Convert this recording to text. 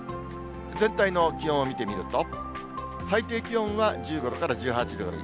全体の気温を見てみると、最低気温は１５度から１８度ぐらい。